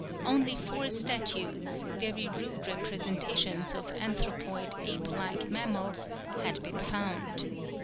Only four statues, very rude representations of anthropoid ape like animals, had been found.